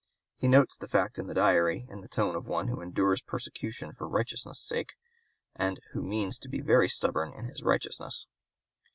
He notes the fact in the Diary in the tone of one who endures persecution for righteousness' sake, and who means to be very stubborn in his righteousness.